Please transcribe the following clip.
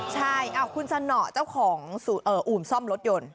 ใช่คุณสนอเจ้าของอู่ซ่อมรถยนต์